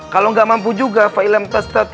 kalau gak mampu juga